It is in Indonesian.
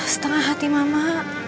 setengah hati mama